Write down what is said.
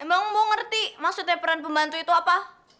emang mau ngerti maksudnya peran pembantu itu apa